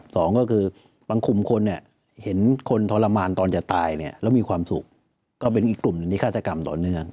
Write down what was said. สองก็คือบางกลุ่มคนเห็นคนทรมานตอนจะตายแล้วมีความสุขก็เป็นอีกกลุ่มในฆาตกรรมต่อเนื่อง